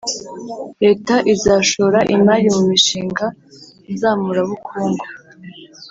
leta izashora imari mu mishinga nzamurabukungu